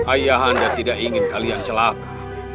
ayahanda tidak ingin kalian celaka